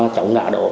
cháu ngã đó